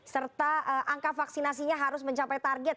serta angka vaksinasinya harus mencapai target